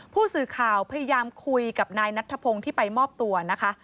ผู้สื่อข่าวพยายามคุยกับนายนัทธพงศ์ที่ไปมอบตัวนะคะ